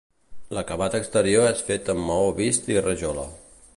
L'acabat exterior és fet amb maó vist i rajola.